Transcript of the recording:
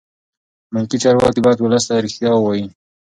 ملکي چارواکي باید ولس ته رښتیا ووایي.